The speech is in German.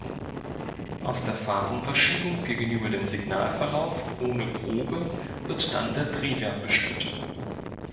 Aus der Phasenverschiebung gegenüber dem Signalverlauf ohne Probe wird dann der Drehwert bestimmt.